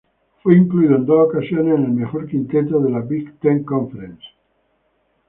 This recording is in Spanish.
Fue incluido en dos ocasiones en el mejor quinteto de la Big Ten Conference.